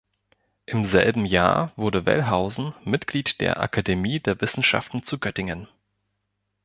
Im selben Jahr wurde Wellhausen Mitglied der "Akademie der Wissenschaften zu Göttingen".